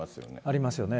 ありますよね。